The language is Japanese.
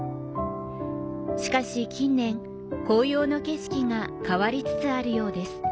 しかし近年、紅葉の景色が変わりつつあるようです。